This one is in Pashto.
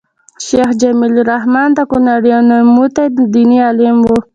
شيخ جميل الرحمن د کونړ يو نوموتی ديني عالم وو